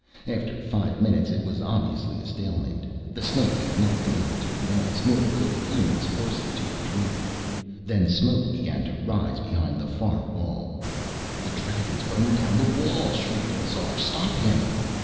After five minutes, it was obviously a stalemate. The snake had not been able to advance, nor could the humans force it to retreat. Then smoke began to rise behind the far wall. "The dragon's burning down the wall!" shrieked Lazar. "Stop him!"